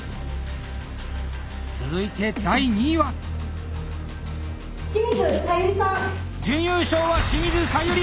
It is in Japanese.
続いて第２位は⁉準優勝は清水小百合！